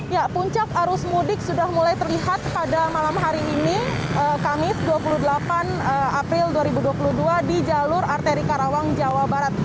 ya puncak arus mudik sudah mulai terlihat pada malam hari ini kamis dua puluh delapan april dua ribu dua puluh dua di jalur arteri karawang jawa barat